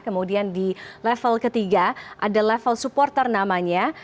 kemudian di level ketiga ada level supporter namanya